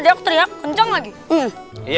tadi aku teriak kencang lagi